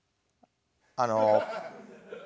あの。